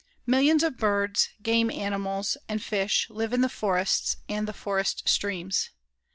Millions of birds, game animals, and fish live in the forests and the forest streams.